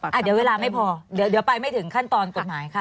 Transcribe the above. อ่ะเดี๋ยวเวลาไม่พอเดี๋ยวไปไม่ถึงขั้นตอนกฎหมายค่ะ